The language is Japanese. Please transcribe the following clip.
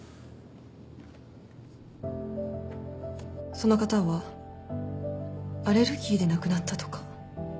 その方はアレルギーで亡くなったとか。